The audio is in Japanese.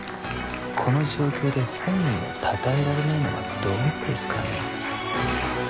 この状況で本人をたたえられないのはどうですかね